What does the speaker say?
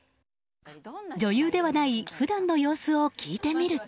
女優ではない普段の様子を聞いてみると。